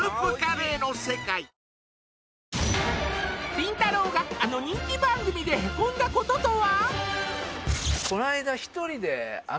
りんたろー。があの人気番組でヘコんだこととは！？